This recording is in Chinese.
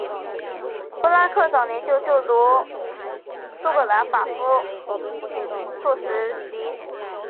布拉克早年就读于苏格兰法夫作实习。